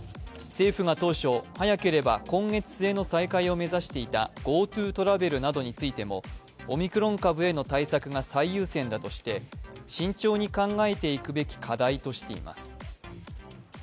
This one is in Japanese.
政府が当初、早ければ今月末の再開を目指していたＧｏＴｏトラベルなどについてもオミクロン株への対策が最優先だとして慎重に考えていくべき課題としています。